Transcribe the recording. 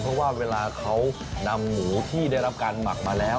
เพราะว่าเวลาเขานำหมูที่ได้รับการหมักมาแล้ว